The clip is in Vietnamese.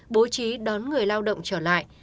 bố trí đón người lao động trở lại